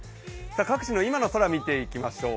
各地の今の空見ていきましょう。